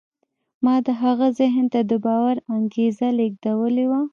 ما د هغه ذهن ته د باور انګېزه لېږدولې وه